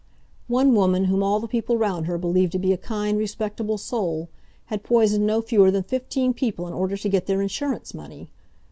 One woman, whom all the people round her believed to be a kind, respectable soul, had poisoned no fewer than fifteen people in order to get their insurance money.